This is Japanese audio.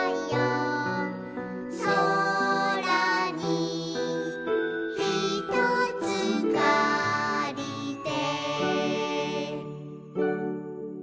「そらにひとつかりて」